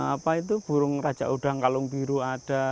apa itu burung raja udang kalung biru ada